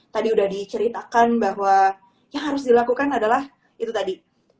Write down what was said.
tadi udah diceritakan bahwa yang harus dilakukan adalah itu tadi